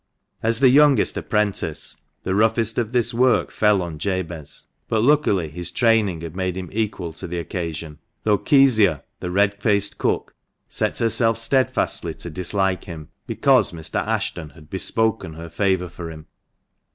As the youngest apprentice, the roughest of this work fell on Jabez, but, luckily, his training had made him equal to the occasion ; though Kezia, the red faced cook, set herself steadfastly to dislike him, because Mr. Ashton had bespoken her favour for 130 THE MANCHESTER MAN. him.